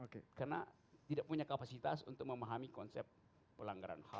karena tidak punya kapasitas untuk memahami konsep pelanggaran ham